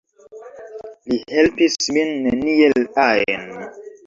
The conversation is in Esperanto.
Li helpis min neniel ajn